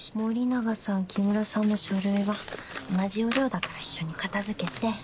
森永さん木村さんの書類は同じ要領だから一緒に片づけて。